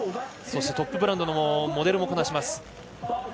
そして、トップブランドのモデルもこなします